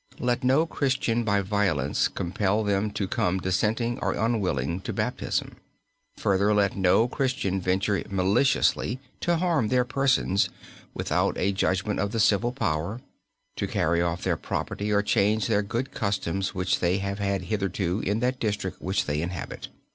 "Let no Christian by violence compel them to come dissenting or unwilling to Baptism. Further let no Christian venture maliciously to harm their persons without a judgment of the civil power, to carry off their property or change their good customs which they have had hitherto in that district which they inhabit."